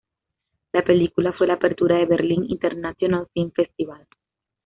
La película fue la apertura del Berlin International Film Festival.